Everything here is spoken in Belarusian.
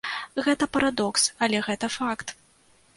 Гэта парадокс, але гэта факт.